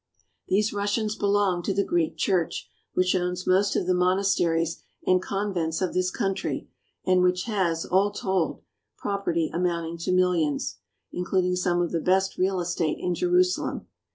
These Russians belong to the Greek Church, which owns most of the monasteries and convents of this country, and which has, all told, property amounting to millions, including some of the best real estate in Jerusalem.